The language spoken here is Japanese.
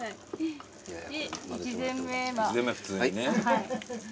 はい。